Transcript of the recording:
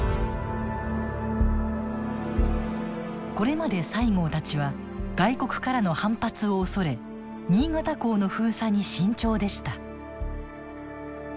これまで西郷たちは外国からの反発を恐れ新潟港の封鎖に慎重でした。